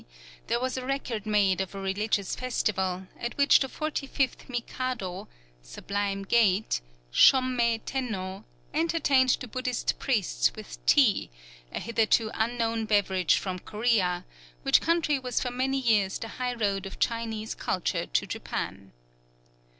there was a record made of a religious festival, at which the forty fifth Mikado "Sublime Gate" Shommei Tenno, entertained the Buddhist priests with tea, a hitherto unknown beverage from Corea, which country was for many years the high road of Chinese culture to Japan.